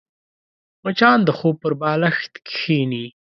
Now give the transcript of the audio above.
مچان د خوب پر بالښت کښېني